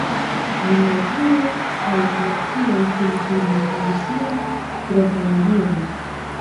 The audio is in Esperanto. Aliaj triboj aŭ nacioj Filipinaj havis siajn proprajn diojn.